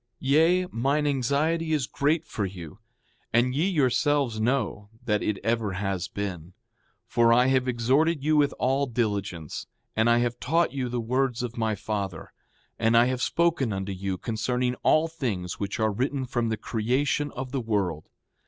Yea, mine anxiety is great for you; and ye yourselves know that it ever has been. For I have exhorted you with all diligence; and I have taught you the words of my father; and I have spoken unto you concerning all things which are written, from the creation of the world.